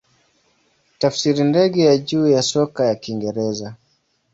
Tafsiri ndege ya juu ya soka ya Kiingereza.